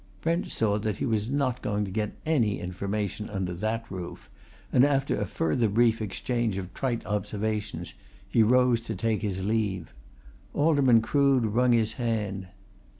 Brent saw that he was not going to get any information under that roof, and after a further brief exchange of trite observations he rose to take his leave. Alderman Crood wrung his hand.